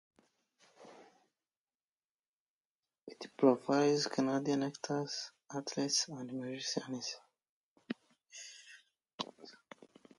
It profiles Canadian actors, athletes, and musicians.